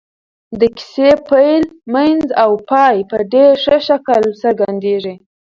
د کيسې پيل منځ او پای په ډېر ښه شکل څرګندېږي.